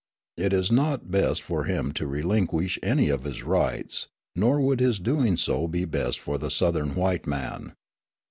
It is not best for him to relinquish any of his rights; nor would his doing so be best for the Southern white man.